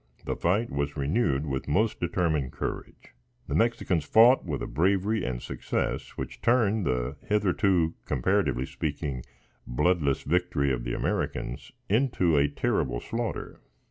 The fight was renewed with most determined courage. The Mexicans fought with a bravery and success which turned the hitherto, comparatively speaking, bloodless victory of the Americans, into a terrible slaughter.